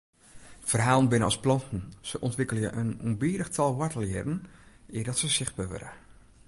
Ferhalen binne as planten, se ûntwikkelje in ûnbidich tal woartelhierren eardat se sichtber wurde.